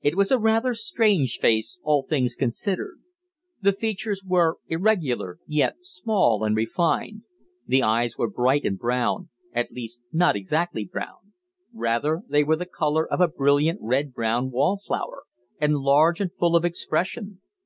It was a rather strange face, all things considered. The features were irregular, yet small and refined. The eyes were bright and brown at least not exactly brown; rather they were the colour of a brilliant red brown wallflower, and large and full of expression.